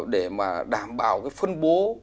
để mà đảm bảo phân bố